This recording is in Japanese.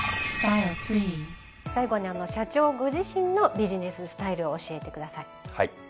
最後に社長ご自身のビジネススタイルを教えてください。